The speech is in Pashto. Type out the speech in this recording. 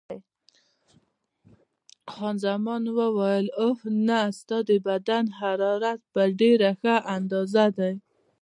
خان زمان وویل: اوه، نه، ستا د بدن حرارت په ډېره ښه اندازه دی.